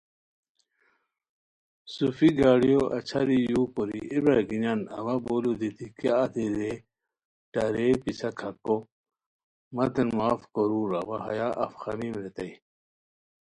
صوفی گاڑیو اچھاری یُو کوری "ایے برارگینیان اوا بولو دیتی کیاغ دی ریئے ٹارےپیسہ کھاکو. متین معاف کورور اوا ہیا اف خامیم" ریتائے